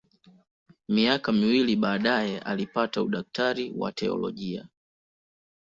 Miaka miwili baadaye alipata udaktari wa teolojia.